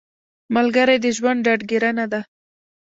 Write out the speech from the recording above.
ملګری د ژوند ډاډګیرنه ده